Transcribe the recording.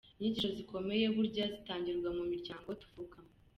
Inyigisho zikomeye burya zitangirwa mu miryango tuvukamo.